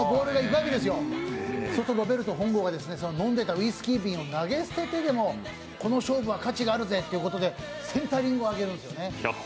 そうするとロベルト本郷が飲んでいたウイスキーを投げ捨ててでもこの勝負は価値があるぜということでセンタリングを上げるんですね。